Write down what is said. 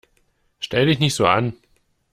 Stell dich nicht so an!